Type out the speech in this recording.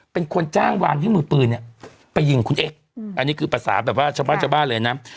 เป็นคนจ้างวานให้มือปืนเนี่ยไปยิงคุณเอ๊ะอันนี้คือภาษาแบบว่าชาวบ้านชาวบ้านเลยนะ